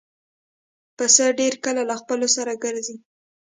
پسه ډېر کله له خپلو سره ګرځي.